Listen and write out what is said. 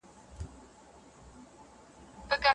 پر جلا لارو مزلونه یې وهلي